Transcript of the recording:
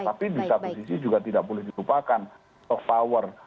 tapi di satu sisi juga tidak boleh dilupakan soft power